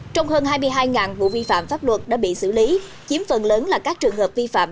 trong hơn hai mươi hai vụ vi phạm pháp luật đã bị xử lý chiếm phần lớn là các trường hợp vi phạm